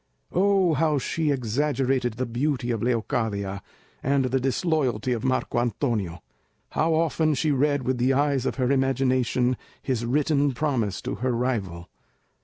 Oh, how she exaggerated the beauty of Leocadia, and the disloyalty of Marco Antonio! How often she read with the eyes of her imagination his written promise to her rival!